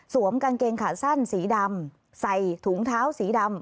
กางเกงขาสั้นสีดำใส่ถุงเท้าสีดำ